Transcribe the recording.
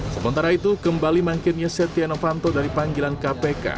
sementara itu kembali mangkirnya setia novanto dari panggilan kpk